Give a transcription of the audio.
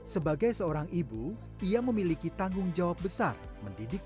sebagai seorang ibu ia memiliki tanggung jawab besar mendidik